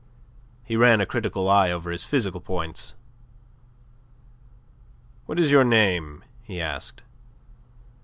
He ran a critical eye over his physical points. "What is your name?" he asked.